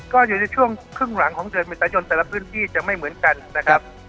ก็อยู่ในช่วงครึ่งหลังของเดือนเมษายนแต่ละพื้นที่จะไม่เหมือนกันนะครับ